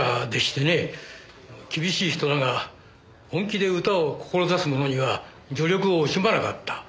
厳しい人だが本気で歌を志す者には助力を惜しまなかった。